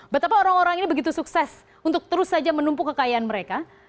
betapa orang orang ini begitu sukses untuk terus saja menumpuk kekayaan mereka